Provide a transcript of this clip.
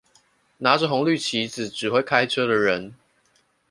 拿著紅綠旗子指揮開車的人